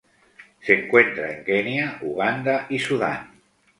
Se encuentra en Kenia Uganda y Sudán.